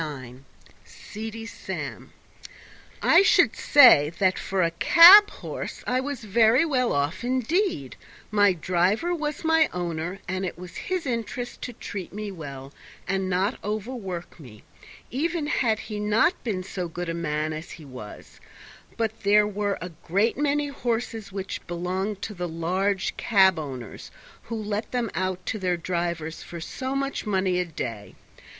39 Seedy Sam I should say that for a cab horse I was very well off indeed; my driver was my owner, and it was his interest to treat me well and not overwork me, even had he not been so good a man as he was; but there were a great many horses which belonged to the large cab owners, who let them out to their drivers for so much money a day.